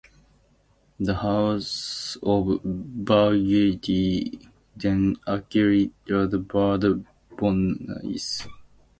The House of Burgundy then acquired Bourbonnais.